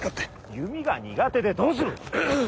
弓が苦手でどうする。